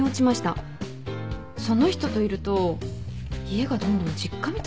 その人といると家がどんどん実家みたいになるなって思ってて。